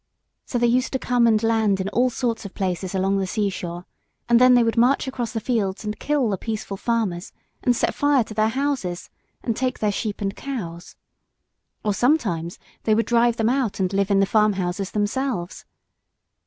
So they used to come and land in all sorts of places along the sea shore, and then they would march across the fields and kill the peaceful farmers, and set fire to their houses, and take their sheep and cows. Or sometimes they would drive them out, and live in the farmhouses themselves.